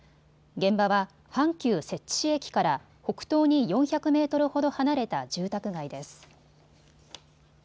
現場は阪急摂津市駅から北東に４００メートルほど離れた住宅街です。